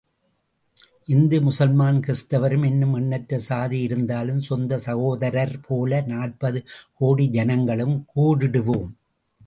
இந்து முசல்மான் கிறிஸ்தவரும் இன்னும் எண்ணற்ற சாதி இருந்தாலும் சொந்த சகோதரர் போல நாற்பது கோடி ஜனங்களும் கூடிடுவோம்.